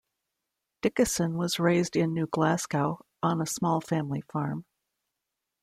Dickieson was raised in New Glasgow on a small family farm.